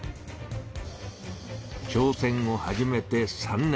挑戦を始めて３年。